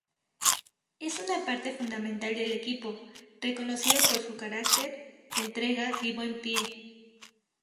Es una parte fundamental del equipo, reconocido por su caracter, entrega y buen pie.